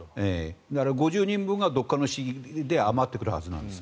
５０人分がどこかの市で余ってくるはずなんです。